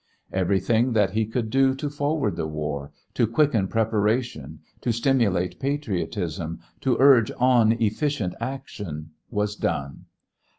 Everything that he could do to forward the war, to quicken preparation to stimulate patriotism, to urge on efficient action, was done.